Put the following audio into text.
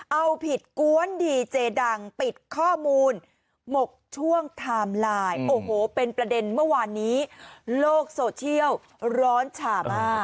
เอาผิดกวนดีเจดังปิดข้อมูลหมกช่วงไทม์ไลน์โอ้โหเป็นประเด็นเมื่อวานนี้โลกโซเชียลร้อนฉามาก